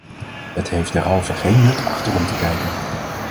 Het heeft derhalve geen nut achterom te kijken.